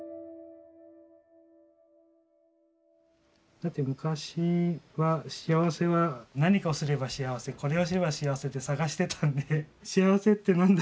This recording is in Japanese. だって昔は幸せは何かをすれば幸せこれをすれば幸せって探してたんで幸せって何だ？